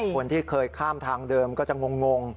คนที่เคยข้ามทางเดิมก็จะงง